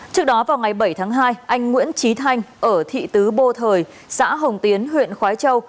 trước đó vào ngày bảy tháng hai anh nguyễn trí thanh ở thị tứ bô thời xã hồng tiến huyện khói châu